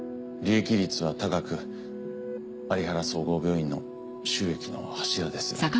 利益率は高く有原総合病院の収益の柱です。